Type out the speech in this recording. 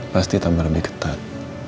pasti tambah lebih ketat